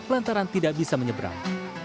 lantaran tidak bisa menyeberang